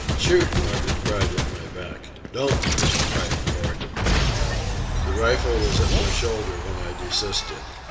"Shoot!" Margaret cried at my back. "Don't!" Mr. Pike roared at me. The rifle was at my shoulder when I desisted.